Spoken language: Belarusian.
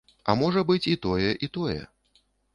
А можа быць, і тое, і тое.